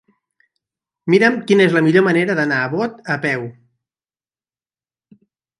Mira'm quina és la millor manera d'anar a Bot a peu.